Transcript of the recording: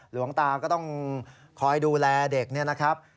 หลวงตาก็ต้องคอยดูแลเด็กเนี่ยนะครับ